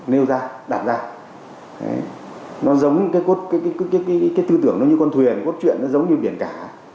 nêu ra đặt ra nó giống cái tư tưởng nó như con thuyền cốt truyện nó giống như biển cả